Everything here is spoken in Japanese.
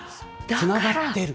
つながってる。